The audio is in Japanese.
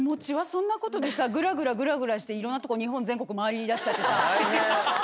そんなことでグラグラグラグラしていろんなとこ日本全国回りだしちゃってさ。